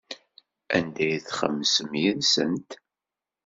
Anda ay txemmsem yid-sent?